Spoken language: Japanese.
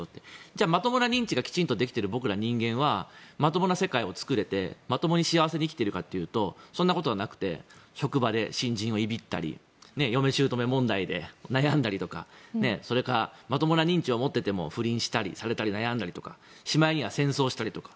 じゃあ、まともな認知ができている僕ら人間ってまともな世界を作れてまともに幸せに生きていられるかというとそんなことはなくて職場で新人をいびったり嫁姑問題で悩んだりとか、それからまともな認知を持っていても不倫したり、されたり悩んだりとかしまいには戦争したりとか。